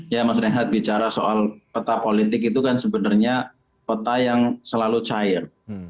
ya mas renhat bicara soal peta politik itu kan sebenarnya peta yang selalu cair